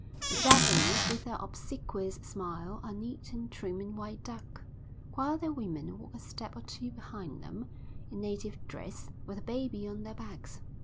The Japanese, with their obsequious smile, are neat and trim in white duck, while their women walk a step or two behind them, in native dress, with a baby on their backs.